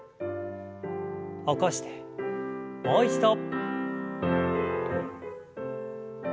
起こしてもう一度。